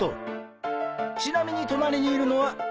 ちなみに隣にいるのは。